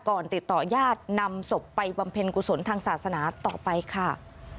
ติดต่อญาตินำศพไปบำเพ็ญกุศลทางศาสนาต่อไปค่ะ